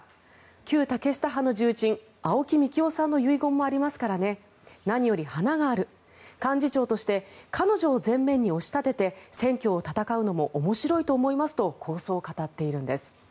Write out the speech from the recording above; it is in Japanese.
旧竹下派の重鎮青木幹雄さんの遺言もありますからね何より華がある幹事長として彼女を前面に押し立てて選挙を戦うのも面白いと思いますと構想を語っているんです。